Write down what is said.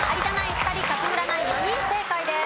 ２人勝村ナイン４人正解です。